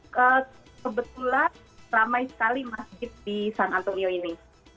kebetulan ramai sekali masjid di san antonio ini